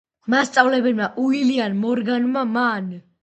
მასწავლებელმა უილიამ მორგანმა. მან